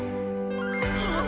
ああ！